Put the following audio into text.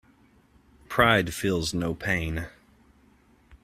Pride feels no pain.